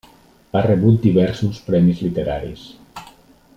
Ha rebut diversos premis literaris.